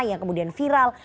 yang kemudian viral